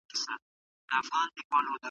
دا آخره زمانه ده په پیمان اعتبار نسته.